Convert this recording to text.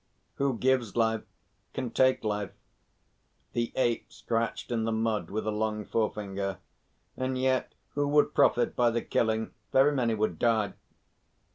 "Who gives life can take life." The Ape scratched in the mud with a long forefinger. "And yet, who would profit by the killing? Very many would die."